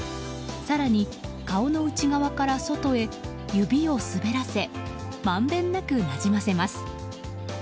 更に顔の内側から外へ指を滑らせまんべんなくなじませます。